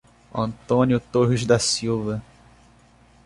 Antônio Torres da Silva